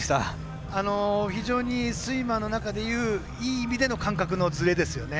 非常にスイマーの中でいういい意味での感覚のずれですよね。